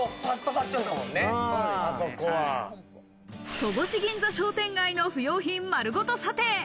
戸越銀座商店街の不用品、まるごと査定。